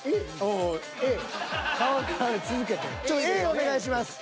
Ａお願いします。